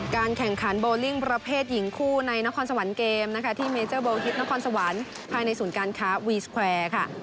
แข่งขันโบลิ่งประเภทหญิงคู่ในนครสวรรค์เกมนะคะที่เมเจอร์โบฮิตนครสวรรค์ภายในศูนย์การค้าวีสแควร์ค่ะ